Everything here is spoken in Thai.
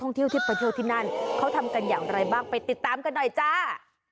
เที่ยวที่ประเทศที่นั่นเขาทำกันอย่างไรบ้างไปติดตามกันหน่อยจ้า